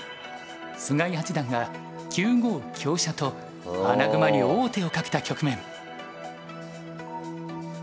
菅井八段が９五香車と穴熊に王手をかけた局面。